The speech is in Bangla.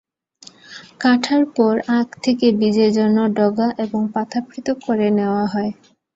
কাটার পর আখ থেকে বীজের জন্য ডগা এবং পাতা পৃথক করে নেওয়া হয়।